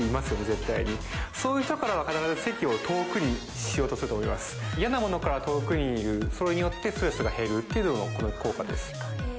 絶対にそういう人からは必ず席を遠くにしようとすると思いますいやなものから遠くにいるそれによってストレスが減るっていうのがこの効果です